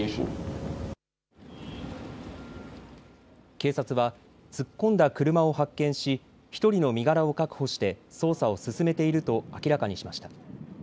警察は突っ込んだ車を発見し１人の身柄を確保して捜査を進めていると明らかにしました。